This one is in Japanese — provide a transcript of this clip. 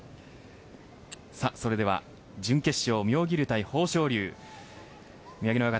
それでは準決勝妙義龍対豊昇龍宮城野親方